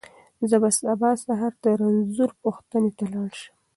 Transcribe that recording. زه به سبا سهار د رنځور پوښتنې ته لاړ شم.